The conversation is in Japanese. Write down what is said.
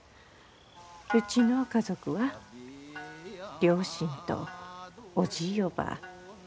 うちの家族は両親とおじぃおばぁ